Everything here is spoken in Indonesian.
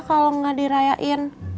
kalau nggak dirayain